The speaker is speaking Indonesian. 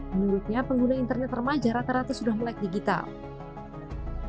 menurutnya pengguna internet remaja rata rata sudah melek digital